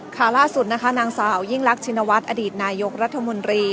ค่ะล่าสุดนะคะนางสาวยิ่งรักชินวัฒน์อดีตนายกรัฐมนตรี